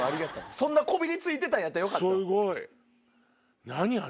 そんなこびり付いてたんやったらよかった。